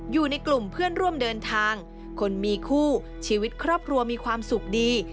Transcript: อยู่ในกลุ่มเพื่อนร่วมเดินทางคนมีคู่ชีวิตครอบครัวมีความสุขดี